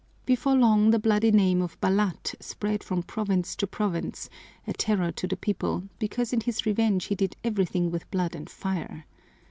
Before long the bloody name of Balat spread from province to province, a terror to the people, because in his revenge he did everything with blood and fire.